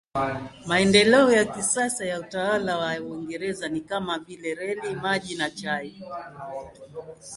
Maendeleo ya kisasa ya utawala wa Uingereza ni kama vile reli, maji na chai.